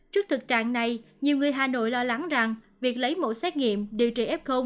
trước thực trạng này nhiều người hà nội lo lắng rằng việc lấy mẫu xét nghiệm điều trị f